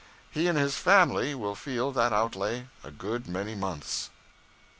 He and his family will feel that outlay a good many months.